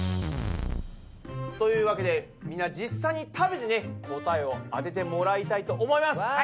というわけでみんな実際に食べてね答えを当ててもらいたいと思います。